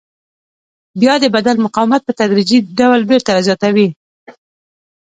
بیا د بدن مقاومت په تدریجي ډول بېرته زیاتوي.